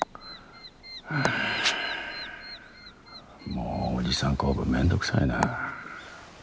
もうおじさん構文めんどくさいな。